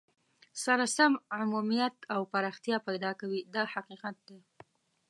سره سم عمومیت او پراختیا پیدا کوي دا حقیقت دی.